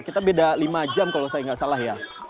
kita beda lima jam kalau saya nggak salah ya